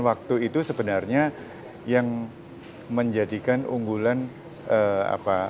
waktu itu sebenarnya yang menjadikan unggulan daya tarik kami pemerintah untuk supaya masyarakat